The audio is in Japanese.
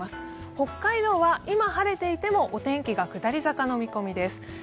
北海道は今晴れていてもお天気が下り坂の見込みです。